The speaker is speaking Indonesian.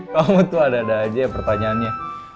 kamu tuh ada ada aja ya pertanyaannya